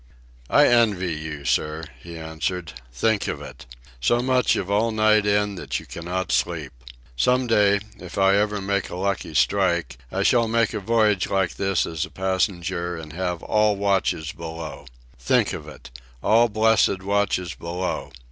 "I envy you, sir," he answered. "Think of it! So much of all night in that you cannot sleep. Some day, if ever I make a lucky strike, I shall make a voyage like this as a passenger, and have all watches below. Think of it! All blessed watches below!